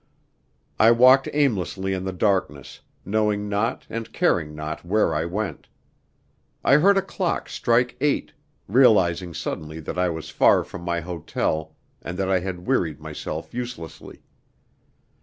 I walked aimlessly in the darkness, knowing not and caring not where I went. I heard a clock strike eight, realising suddenly that I was far from my hotel, and that I had wearied myself uselessly.